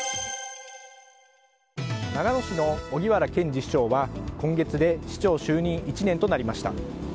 長野市の荻原健司市長は今月で市長就任１年となりました。